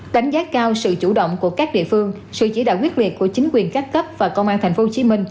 đánh giá cao sự chủ động của các địa phương sự chỉ đạo quyết liệt của chính quyền các cấp và công an tp hcm